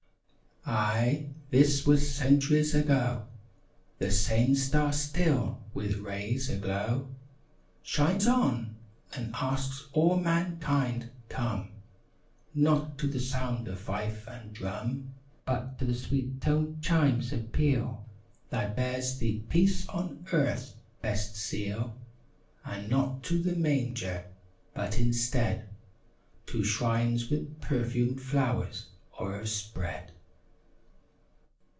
193 Aye, this was centuries ago! The same Star still, with rays aglow. Shines on, and asks all mankind come— Not to the sound of fife and drum— But to the sweet toned chimes' appeal That bears the "Peace on Earth's" best seal; And not to the manger—but instead. To shrines with perfumed flowers o'erspread.